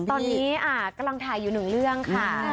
ตอนนี้กำลังถ่ายอยู่หนึ่งเรื่องค่ะ